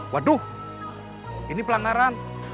waduh ini pelanggaran